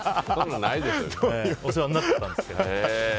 お世話になってたんです。